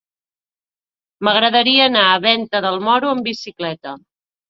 M'agradaria anar a Venta del Moro amb bicicleta.